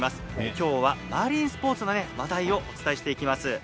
今日はマリンスポーツの話題をお伝えしていきます。